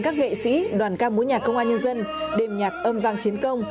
các nghệ sĩ đoàn ca mũi nhạc công an nhân dân đềm nhạc âm vang chiến công